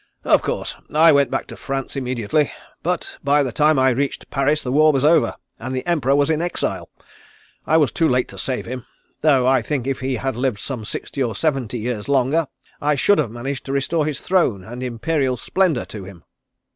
"Of course, I went back to France immediately, but by the time I reached Paris the war was over, and the Emperor was in exile. I was too late to save him though I think if he had lived some sixty or seventy years longer I should have managed to restore his throne, and Imperial splendour to him."